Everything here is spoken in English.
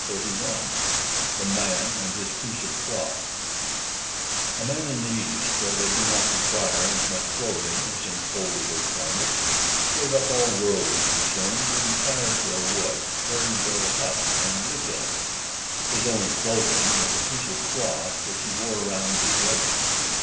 THE MAN AND HIS PIECE OF CLOTH A man in the East, where they do not require as much clothing as in colder climates, gave up all worldly concerns and retired to a wood, where he built a hut and lived in it. His only clothing was a piece of cloth which he wore round his waist.